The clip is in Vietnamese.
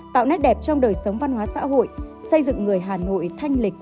tạo nét đẹp trong đời sống văn hóa xã hội xây dựng người hà nội thanh lịch